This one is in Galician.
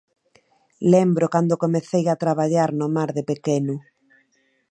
Lembro cando comecei a traballar no mar de pequeno.